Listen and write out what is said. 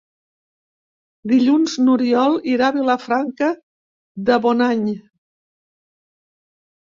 Dilluns n'Oriol irà a Vilafranca de Bonany.